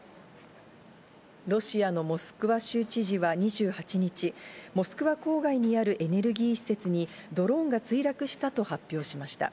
ロシアのモスクワ州知事は２８日、モスクワ郊外にあるエネルギー施設にドローンが墜落したと発表しました。